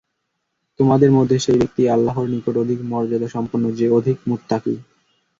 তোমাদের মধ্যে সে ব্যক্তিই আল্লাহর নিকট অধিক মর্যাদাসম্পন্ন, যে অধিক মুত্তাকী।